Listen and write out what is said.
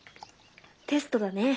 テストだね。